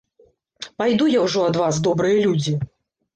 Пайду я ўжо ад вас, добрыя людзі.